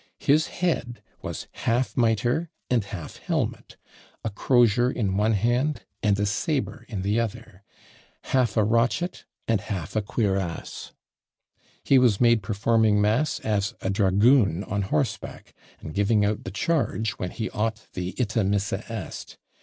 His head was half mitre and half helmet; a crosier in one hand and a sabre in the other; half a rochet and half a cuirass: he was made performing mass as a dragoon on horseback, and giving out the charge when he ought the _Ite, missa est!